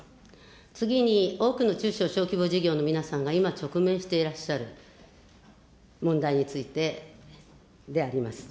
次に多くの中小小規模事業所の皆さんが今直面していらっしゃる問題についてであります。